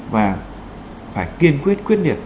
và phải kiên quyết quyết liệt